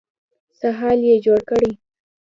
څه حال يې جوړ کړی.